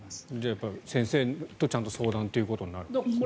やっぱり先生とちゃんと相談ということになるんですね。